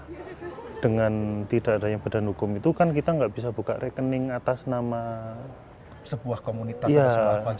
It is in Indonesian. jadi tidak adanya badan hukum itu kan kita nggak bisa buka rekening atas nama sebuah komunitas atau sebuah apa gitu ya